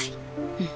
うん。